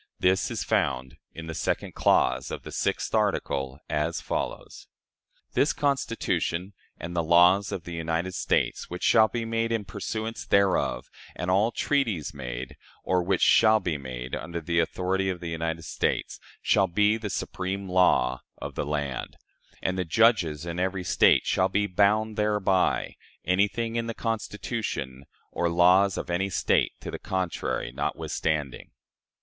This is found in the second clause of the sixth article, as follows: "This Constitution, and the laws of the United States which shall be made in pursuance thereof, and all treaties made, or which shall be made, under the authority of the United States, shall be the supreme law of the land; and the judges in every State shall be bound thereby, anything in the Constitution or laws of any State to the contrary notwithstanding."